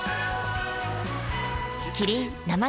キリン「生茶」